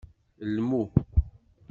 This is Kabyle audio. Lmu.